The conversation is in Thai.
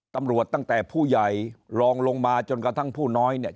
ตั้งแต่ผู้ใหญ่รองลงมาจนกระทั่งผู้น้อยเนี่ย